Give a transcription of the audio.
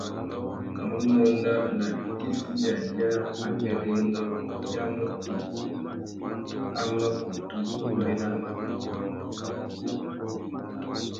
Nnú nôna nà itifiya yâā abérénô ya mutu a mà kutu mʼbérana.